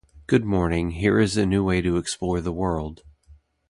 good morning, here is a new way to explore the world!